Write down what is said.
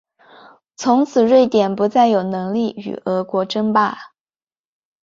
从此瑞典不再有能力与俄国争霸。